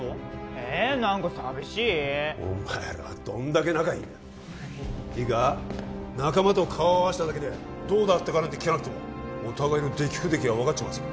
え何か寂しいお前らはどんだけ仲いいんだよいいか仲間と顔を合わしただけでどうだったかなんて聞かなくてもお互いの出来不出来が分かっちまうぞ